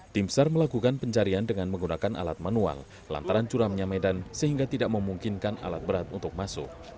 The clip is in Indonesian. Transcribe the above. tim sar melakukan pencarian dengan menggunakan alat manual lantaran curamnya medan sehingga tidak memungkinkan alat berat untuk masuk